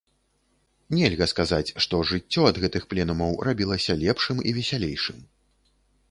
Нельга сказаць, што жыццё ад гэтых пленумаў рабілася лепшым і весялейшым.